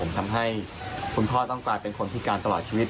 ทำให้คุณพ่อต้องกลายเป็นคนพิการตลอดชีวิต